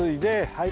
はい。